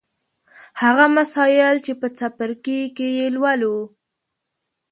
هغه مسایل چې په دې څپرکي کې یې لولو